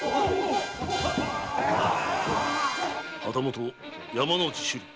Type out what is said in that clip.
旗本・山之内修理